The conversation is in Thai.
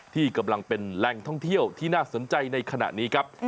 ที่กำลังเป็นแหล่งท่องเที่ยวที่น่าสนใจในขณะนี้ครับ